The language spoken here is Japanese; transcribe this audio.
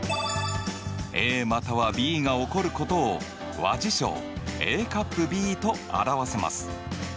ＡまたはＢが起こることを和事象Ａ∪Ｂと表せます。